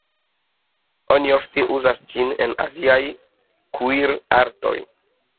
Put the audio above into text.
Oni ofte uzas ĝin en aziaj kuir-artoj.